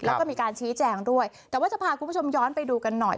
แล้วก็มีการชี้แจงด้วยแต่ว่าจะพาคุณผู้ชมย้อนไปดูกันหน่อย